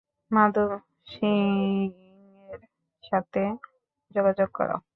মাধব সিংয়ের সাথে যোগাযোগ করাও।